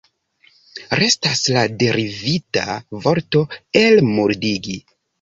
Restas la derivita vorto elmuldigi.